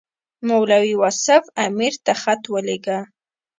مولوي واصف امیر ته خط ولېږه.